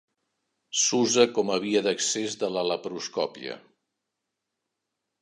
S'usa com a via d'accés de la laparoscòpia.